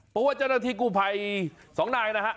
เพราะว่าเจ้านักธิกูภัยสองนายนะฮะ